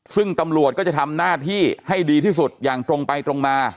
ซึ่งตำรวจก็จะทำหน้าที่ให้ดีที่สุดอย่างตรงไปตรงมา